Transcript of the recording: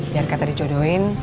biar kata dicodohin